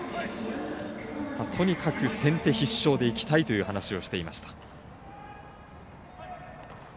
とにかく先手必勝でいきたいという話をしていました。